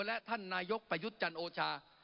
และท่านนายกประยุทธ์จันโอชา